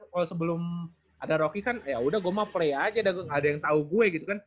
kalau sebelum ada rocky kan yaudah gue mah play aja nggak ada yang tau gue gitu kan